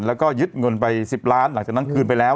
แล้วก็ยึดเงินไป๑๐ล้านหลังจากนั้นคืนไปแล้ว